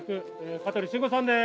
香取慎吾さんです！